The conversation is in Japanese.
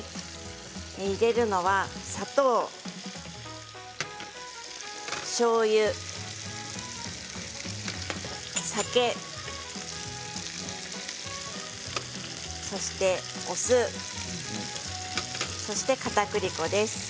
入れるのは砂糖、しょうゆお酒そして酢そしてかたくり粉です。